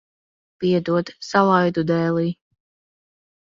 Piedod, salaidu dēlī.